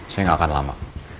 saya gak akan lama